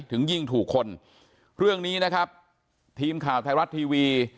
ถึงยิงถูกคนเรื่องนี้นะครับทีมข่าวไทยรัฐทีวี